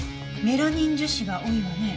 メラミン樹脂が多いわね。